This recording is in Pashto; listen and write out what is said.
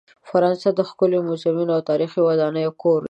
فرانسه د ښکلې میوزیمونو او تاریخي ودانۍ کور دی.